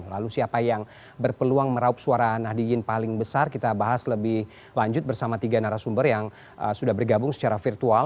lalu siapa yang berpeluang meraup suara nahdiyin paling besar kita bahas lebih lanjut bersama tiga narasumber yang sudah bergabung secara virtual